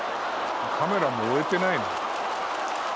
「カメラも追えてないもん」